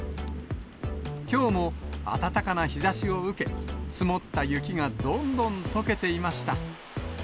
きょうも暖かな日ざしを受け、積もった雪がどんどんとけていました。